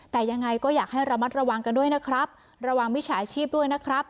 แต่ยังไงก็อยากให้ระมัดระวังกันด้วยนะครับระวังมิจฉาชีพด้วยนะครับ